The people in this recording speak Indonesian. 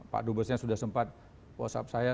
pak dubesnya sudah sempat whatsapp saya